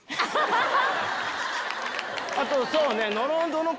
あとそうね。